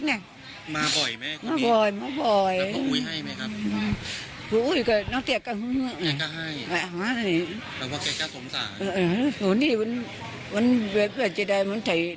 นี้คือเดี๋ยวมาเผ่าใหม่